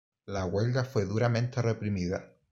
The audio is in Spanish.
La huelga fue duramente reprimida.